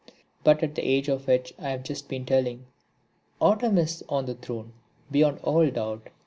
But at the age of which I have just been telling, Autumn is on the throne beyond all doubt.